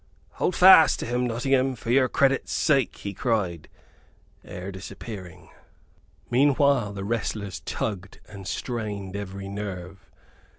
"Hold fast to him, Nottingham, for your credit's sake," he cried, ere disappearing. Meanwhile the wrestlers tugged and strained every nerve.